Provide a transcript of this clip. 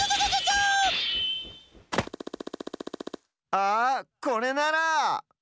あこれなら！